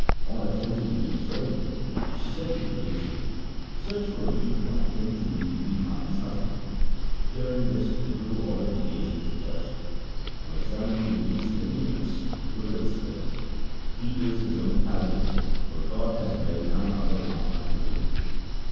On attentively observing him, she said to the agent, ' Search for a youth like him to be Bibi Bhani's husband.' Hearing this, the Guru ordered the agent to pause. On examining the youth's linea ments the Guru exclaimed, ' He is his own parallel, for God had made none other like unto him.'